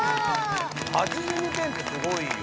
８２点ってすごいよ。